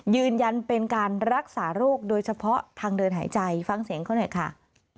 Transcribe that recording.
ยืนยันเป็นการรักษาโรคโดยเฉพาะทางเดินหายใจฟังเสียงเขาหน่อยค่ะ